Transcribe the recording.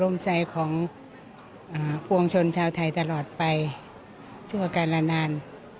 มใจของพวงชนชาวไทยตลอดไปทั่วกันละนาน